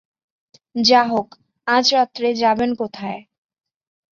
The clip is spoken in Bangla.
যা হোক, আজ রাত্রে যাবেন কোথায়?